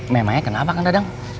memangnya kenapa kang dadang